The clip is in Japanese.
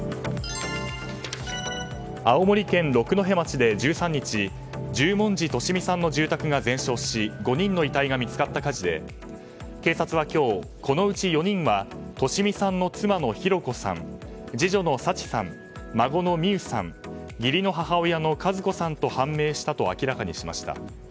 青森県六戸町で１３日十文字利美さんの住宅が全焼し５人の遺体が見つかった火事で警察は今日、このうち４人は利美さんの妻の弘子さん次女の抄知さん、孫の弥羽さん義理の母親の和子さんと判明したと明らかにしました。